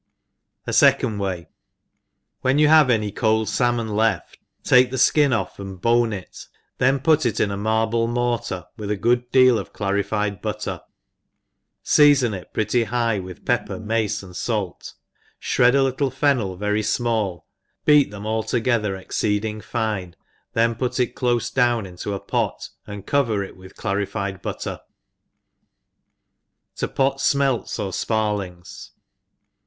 ENGLISH HOUSE KEEPER* 4/j Afecond icay. WHEN you have any cold falmon left, take the fkin off, and bone it, then put it in a mar* ble mortar, with a good deal of clarified but* ter; feafoB it pretty high with pepper, mace, and fait, fhred a little fennel very fmali, beat them all together exceeding fine, then put it dofe down into a pot, and cover it with clarifie4 batter. « 91? /d/ Smelts or Sparlings.